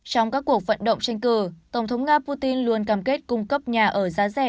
trong các cuộc vận động tranh cử tổng thống nga putin luôn cam kết cung cấp nhà ở giá rẻ